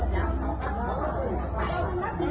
กระดับไปเลย